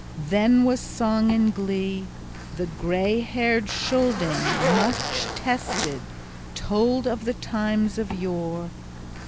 Then was song and glee. The gray haired Scylding, much tested, told of the times of yore.